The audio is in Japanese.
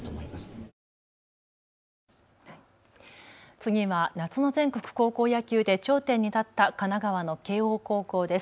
次は夏の全国高校野球で頂点に立った神奈川の慶応高校です。